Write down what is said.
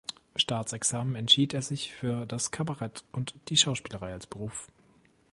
Staatsexamen entschied er sich für das Kabarett und die Schauspielerei als Beruf.